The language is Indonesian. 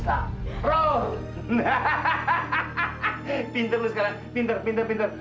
pinter lo sekarang pinter pinter pinter